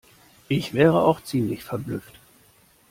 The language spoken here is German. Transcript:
Ich wäre auch ziemlich verblüfft.